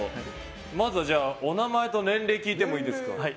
まずはお名前と年齢聞いてもいいですか？